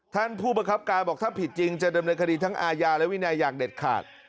ท่านผู้ประคับการบอกถ้าผิดจริงจะดำเนินคดีทั้งอาญาและวินัยอย่างเด็ดขาด